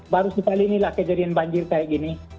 baru sekali inilah kejadian banjir seperti ini